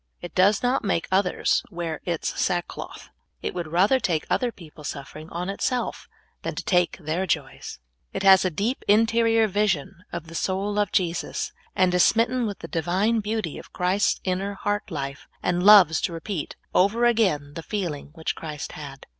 It does not make others wear its sackcloth. It w^ould rather take other people's sufferings on itself than to take their joys. It has a deep, interior vision of the 136 SOUL FOOD. soul of Jesus, and is smitten with the Divine beauty of Christ's inner heart life, and loves to repeat over again the feeling which Christ had.